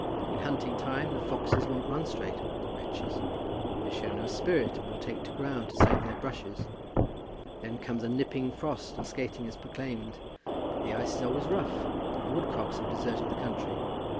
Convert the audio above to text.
In hunting time the foxes won't run straight, the wretches. They show no spirit, and will take to ground to save their brushes. Then comes a nipping frost, and skating is proclaimed; but the ice is always rough, and the woodcocks have deserted the country.